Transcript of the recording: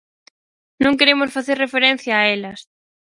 Non queremos facer referencia a elas.